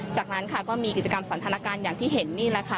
จากนั้นค่ะก็มีกิจกรรมสันทนาการอย่างที่เห็นนี่แหละค่ะ